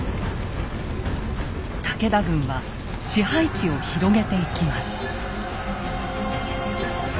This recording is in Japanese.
武田軍は支配地を広げていきます。